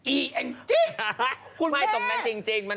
อีแอนจิ๊คุณแม่